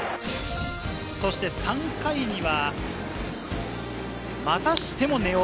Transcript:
そして３回にはまたしても根尾。